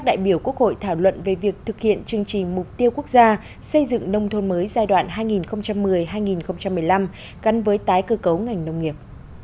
đại biểu quốc hội thảo luận về việc thực hiện chương trình mục tiêu quốc gia xây dựng nông thôn mới giai đoạn hai nghìn một mươi hai nghìn một mươi năm gắn với tái cơ cấu ngành nông nghiệp